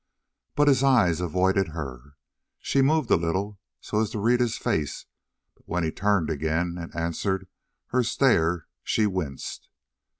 But his eyes avoided her. She moved a little so as to read his face, but when he turned again and answered her stare she winced.